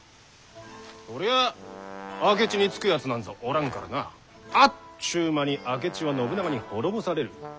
そりゃあ明智につくやつなんぞおらんからなあっちゅう間に明智は信長に滅ぼされる。